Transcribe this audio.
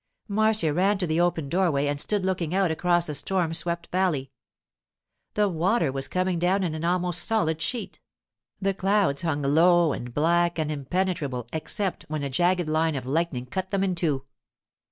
Marcia ran to the open doorway and stood looking out across the storm swept valley. The water was coming down in an almost solid sheet; the clouds hung low and black and impenetrable except when a jagged line of lightning cut them in two.